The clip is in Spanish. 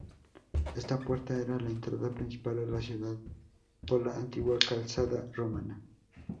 Esta puerta era la entrada principal a la ciudad por la antigua calzada romana.